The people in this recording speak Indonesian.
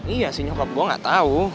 iya sih nyokap gue gak tahu